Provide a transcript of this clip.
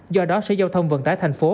do đó xã giao thông vận tải thành phố